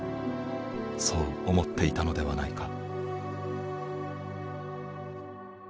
そう思っていたのではないか。